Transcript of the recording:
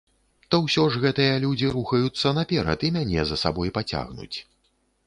То ўсё ж гэтыя людзі рухаюцца наперад, і мяне за сабой пацягнуць.